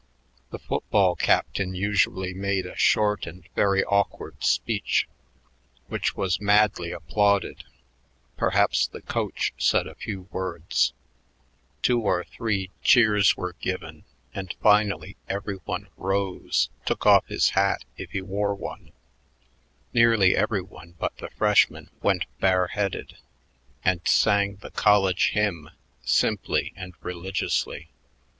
The football captain usually made a short and very awkward speech, which was madly applauded; perhaps the coach said a few words; two or three cheers were given; and finally every one rose, took off his hat if he wore one nearly every one but the freshmen went bareheaded and sang the college hymn, simply and religiously.